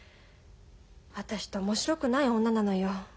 私って面白くない女なのよ。